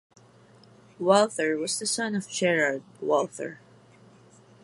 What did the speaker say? Walther was the son of Gerard Walther.